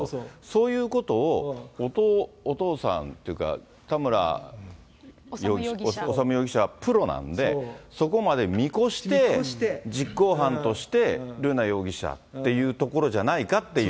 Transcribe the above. そういうことをお父さんというか、田村修容疑者はプロなんで、そこまで見越して、実行犯として、瑠奈容疑者っていうところじゃないかっていう。